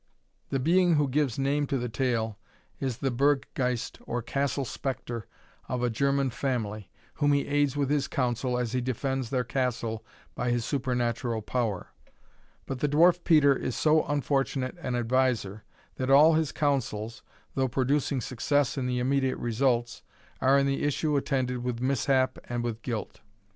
The being who gives name to the tale, is the Burg geist, or castle spectre, of a German family, whom he aids with his counsel, as he defends their castle by his supernatural power. But the Dwarf Peter is so unfortunate an adviser, that all his counsels, though producing success in the immediate results, are in the issue attended with mishap and with guilt.